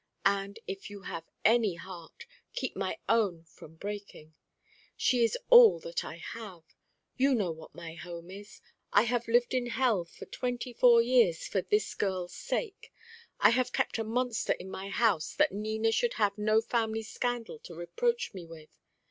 And, if you have any heart, keep my own from breaking. She is all that I have. You know what my home is; I have lived in hell for twenty four years for this girl's sake. I have kept a monster in my house that Nina should have no family scandal to reproach me with.